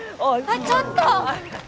あっちょっと！